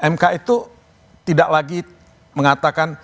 mk itu tidak lagi mengatakan